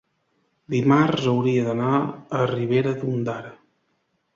dimarts hauria d'anar a Ribera d'Ondara.